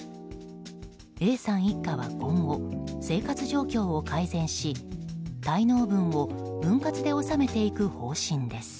Ａさん一家は今後生活状況を改善し滞納分を分割で納めていく方針です。